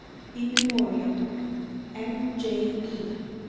IN MEMORIAM (M. J. E.